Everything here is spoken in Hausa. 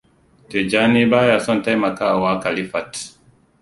Tijjani baya son taimakawa Khalifat.